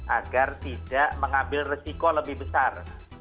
agar tidak mengambil resiko lebih besar